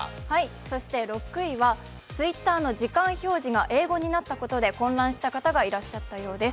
そして６位はＴｗｉｔｔｅｒの時間表示英語になったことで混乱した方がいらしたようです。